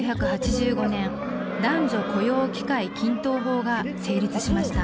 １９８５年男女雇用機会均等法が成立しました。